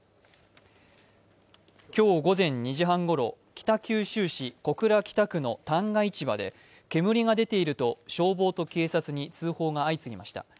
今日午前２時半ごろ、北九州市小倉北区の旦過市場で、煙が出ていると消防と警察に通報が相次ぎました。